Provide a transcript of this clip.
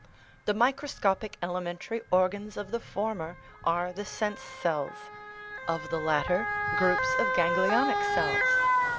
The microscopic elementary organs of the former are the sense cells ; of the latter, groups of ganglionic cells.